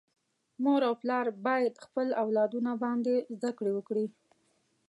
مور او پلار باید خپل اولادونه باندي زده کړي وکړي.